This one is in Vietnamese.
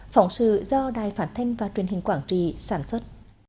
phóng sự do đài phản thanh và truyền hình quảng trị sản xuất